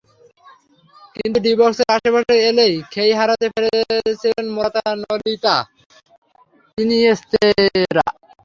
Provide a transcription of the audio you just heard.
কিন্তু ডি-বক্সের আসে পাশে এলেই খেই হারিয়ে ফেলছিলেন মোরাতা, নোলিতো, ইনিয়েস্তারা।